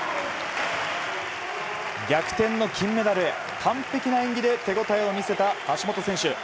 逆転の金メダルへ完璧な演技で手ごたえを見せた橋本選手。